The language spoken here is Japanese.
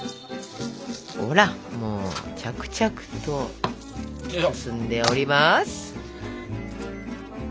ほらもう着々と進んでおります！